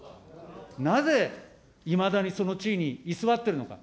なぜいまだにその地位に居座っているのか。